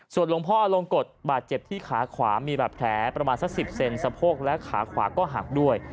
ส่วนหลวงพ่ออลงกฎบาดเจ็บที่ขาขวามีบาดแผลประมาณสัก๑๐เซนสะโพกและขาขวาก็หักด้วย